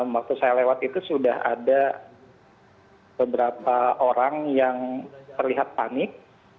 waktu saya lewat itu sudah ada beberapa orang yang terlihat panik